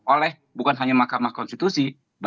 oleh bukan hanya mahkamah konstitusi